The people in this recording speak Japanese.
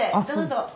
どうぞ。